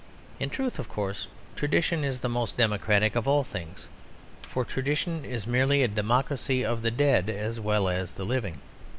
In truth, of course, tradition is the most democratic of all things, for tradition is merely a democracy of the dead as well as the living.